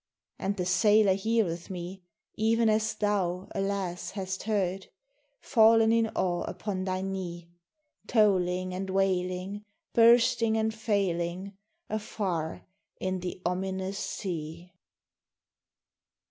And the sailor heareth me, Even as thou, alas! hast heard, Fallen in awe upon thy knee, Tolling and wailing, bursting and failing, afar in the ominous sea.